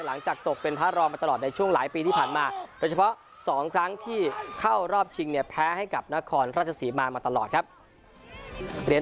หลังจากตกเป็นพระรองค์มาตลอดในช่วงหลายปีที่ผ่านมาโดยเฉพาะสองครั้งที่เข้ารอบชิงเนี่ย